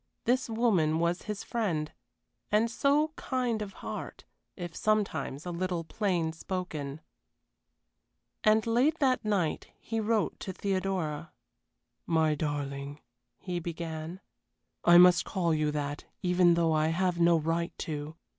This woman was his friend, and so kind of heart, if sometimes a little plain spoken. And late that night he wrote to Theodora. "My darling," he began. "I must call you that even though I have no right to.